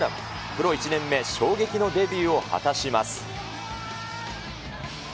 プロ１年目、衝撃のデビューを果たします。